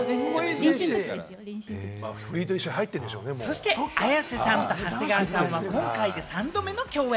そして綾瀬さんと長谷川さんは、今回で３度目の共演。